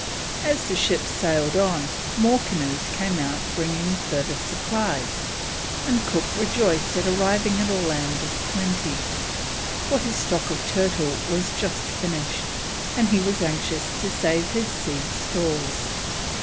As the ships sailed on, more canoes came out bringing further supplies, and Cook rejoiced at arriving at a land of plenty, for his stock of turtle was just finished, and he was anxious to save his sea stores.